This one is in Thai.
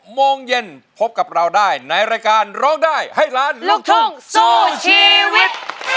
โมงเย็นพบกับเราได้ในรายการร้องได้ให้ล้านลูกทุ่งสู้ชีวิต